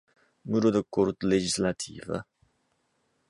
Muro da Corte Legislativa